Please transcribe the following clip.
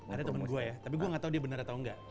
ada temen gue ya tapi gue gak tau dia benar atau enggak